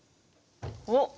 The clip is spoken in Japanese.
おっ！